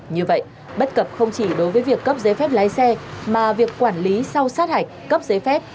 như vậy bất cập không chỉ đối với việc cấp giấy phép lái xe mà việc quản lý sau sát hạch cấp giấy phép